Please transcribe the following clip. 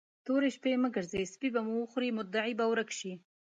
تورې شپې مه ګرځئ؛ سپي به وخوري، مدعي به ورک شي.